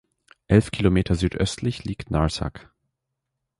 Elf Kilometer südöstlich liegt Narsaq.